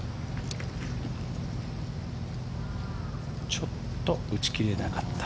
ちょっと打ち切れなかった。